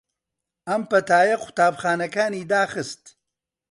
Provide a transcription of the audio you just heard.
ئەم پەتایە قوتابخانەکانی داخست